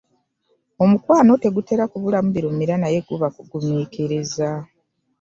Omukwano tegutera kubulamu birumira naye kuba kuguminkiriza.